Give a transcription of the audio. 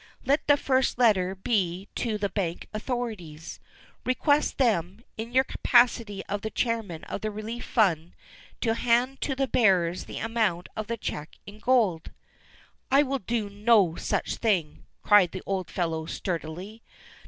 Let the first letter be to the bank authorities. Request them, in your capacity of Chairman of the Relief Fund, to hand to the bearers the amount of the cheque in gold." "I will do no such thing," cried the old fellow sturdily.